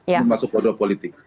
yang masuk ke odol politik